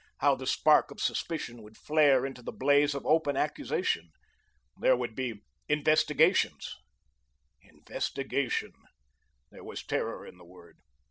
How the spark of suspicion would flare into the blaze of open accusation! There would be investigations. Investigation! There was terror in the word.